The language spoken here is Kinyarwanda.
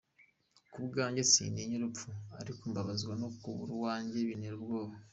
Ku bwanjye sintinya urupfu ariko mbabazwa no kubura uwanjye, bintera ubwoba.